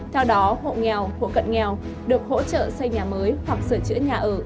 theo đó hộ nghèo hộ cận nghèo được hỗ trợ xây nhà mới hoặc sửa chữa nhà ở